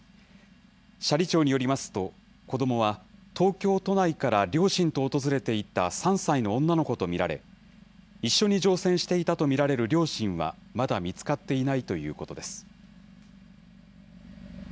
斜里町によりますと、子どもは東京都内から両親と訪れていた３歳の女の子と見られ、一緒に乗船していたと見られる両親はまだ見つかっていないということです。